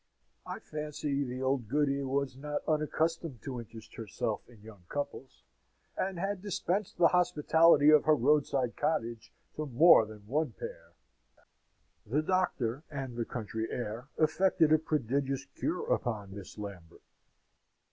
I fancy the old goody was not unaccustomed to interest herself in young couples, and has dispensed the hospitality of her roadside cottage to more than one pair. The doctor and the country air effected a prodigious cure upon Miss Lambert.